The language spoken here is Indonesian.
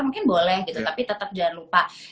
mungkin boleh gitu tapi tetap jangan lupa